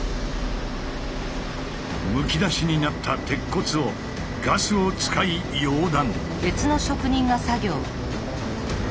むき出しになった鉄骨をガスを使い溶断。